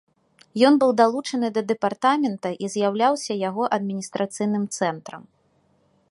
Ён быў далучаны да дэпартамента і з'яўляўся яго адміністрацыйным цэнтрам.